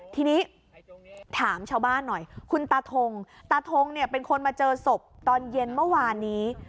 ทีนี้ถามชาวบ้านหน่อยคุณตาทงตาทงเนี่ยเป็นคนมาเจอศพตอนเย็นเมื่อวานนี้